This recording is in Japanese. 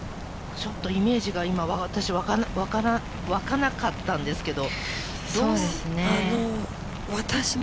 ちょっとイメージが私、湧かなかったんですけど。